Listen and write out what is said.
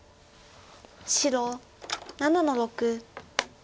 白７の六。